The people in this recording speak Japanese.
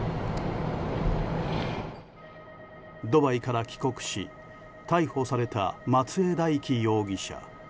ドバイから帰国し逮捕された松江大樹容疑者。